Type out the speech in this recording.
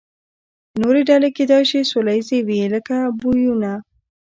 نورې ډلې کیدای شي سوله ییزې وي، لکه بونوبو.